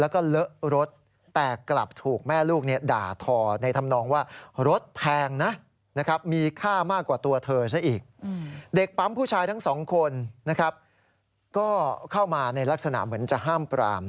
ก็เข้ามาในลักษณะเหมือนจะห้ามปราม